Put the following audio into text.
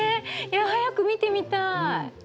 いや早く見てみたい。